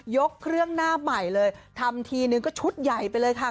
ยกเครื่องหน้าใหม่เลยทำทีนึงก็ชุดใหญ่ไปเลยค่ะ